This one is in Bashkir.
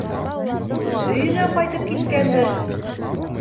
— Өйөнә ҡайтып киткәндер.